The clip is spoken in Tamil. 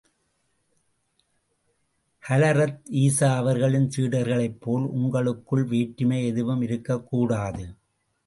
ஹலரத் ஈசா அவர்களின் சீடர்களைப் போல், உங்களுக்குள் வேற்றுமை எதுவும் இருக்கக் கூடாது.